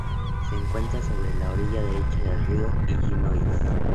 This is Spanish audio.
Se encuentra sobre la orilla derecha del río Illinois.